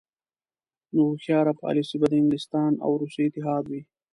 نو هوښیاره پالیسي به د انګلستان او روسیې اتحاد وي.